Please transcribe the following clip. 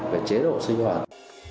về chế độ sinh hoạt